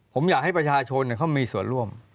ผมอยากให้ประชาชนเขามีส่วนร่วม